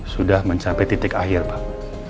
sudah mencapai titik akhir pak